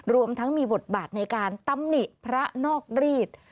รวมทั้งมีบทบาทในการตำหนิพระนอกรีด